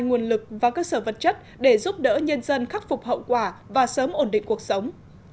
nguồn lực và cơ sở vật chất để giúp đỡ nhân dân khắc phục hậu quả và sớm ổn định cuộc sống